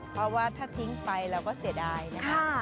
เพราะว่าถ้าทิ้งไปเราก็เสียดายนะคะ